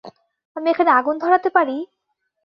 আমি এখানে আগুন ধরাতে পারি?